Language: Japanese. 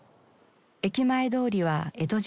駅前通りは江戸